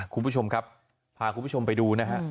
คุณผู้ชมครับพาคุณผู้ชมไปดูนะฮะ